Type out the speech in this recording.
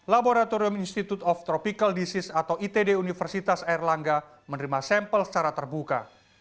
laboratorium institute of tropical disease atau itd universitas airlangga menerima sampel secara terbuka